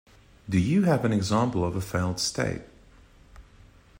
Do you have an example of a failed state?